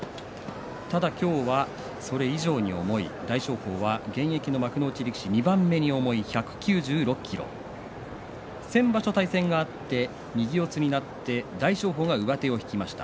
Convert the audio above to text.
ただ今日はそれ以上に重い大翔鵬現役の幕内力士２番目に重い１９６ｋｇ先場所対戦があって右四つになって大翔鵬が上手を引きました。